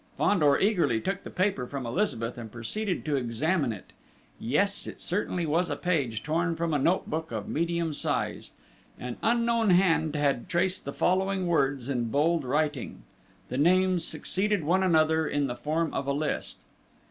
Fandor eagerly took the paper from Elizabeth and proceeded to examine it. Yes, it certainly was a page torn from a note book of medium size. An unknown hand had traced the following words in bold writing. The names succeeded one another in the form of a list.